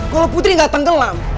kalau putri gak tenggelam